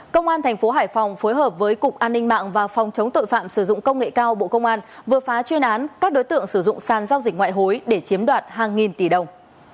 công an thành phố hải phòng phối hợp với cục an ninh mạng và phòng chống tội phạm sử dụng công nghệ cao bộ công an vừa phá chuyên án các đối tượng sử dụng sàn giao dịch ngoại hối để chiếm đoạt hàng nghìn tỷ đồng